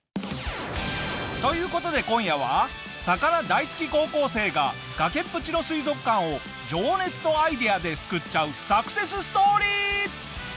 という事で今夜は魚大好き高校生が崖っぷちの水族館を情熱とアイデアで救っちゃうサクセスストーリー！